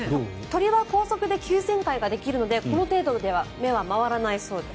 鳥は高速急旋回できるのでこの程度では目は回らないそうです。